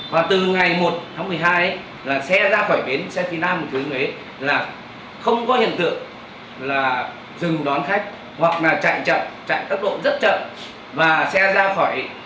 và xe ra khỏi bến là chạy bụi mạch